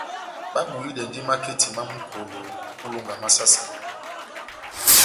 Babulidɛndi maketi má Mukolo ó ilonga má saha-saha.